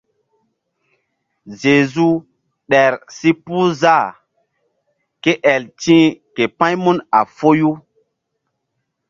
Zezu ɗer si puh zah ke el ti̧h k pa̧ymun a foyu.